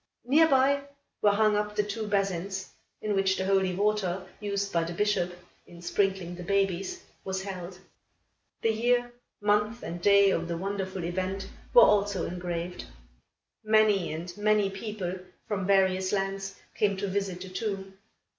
Near by, were hung up the two basins, in which the holy water, used by the Bishop, in sprinkling the babies, was held. The year, month and day of the wonderful event were also engraved. Many and many people from various lands came to visit the tomb.